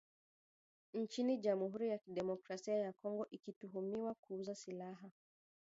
nchini Jamhuri ya Kidemokrasi ya Kongo wakituhumiwa kuuza silaha